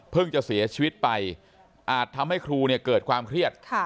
จะเสียชีวิตไปอาจทำให้ครูเนี่ยเกิดความเครียด